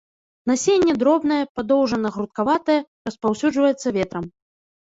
Насенне дробнае, падоўжана-грудкаватае, распаўсюджваецца ветрам.